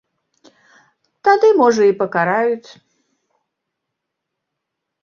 Тады, можа, і пакараюць.